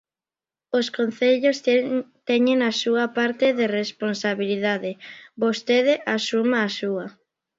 Os concellos teñen a súa parte de responsabilidade, vostede asuma a súa.